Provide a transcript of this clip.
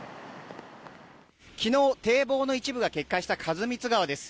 昨日、堤防の一部が決壊した員光川です。